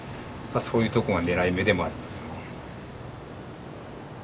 そういうとこが狙い目でもありますよね。